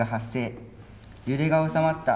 揺れがおさまった。